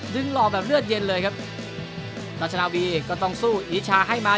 หล่อแบบเลือดเย็นเลยครับรัชนาวีก็ต้องสู้อิชาให้มา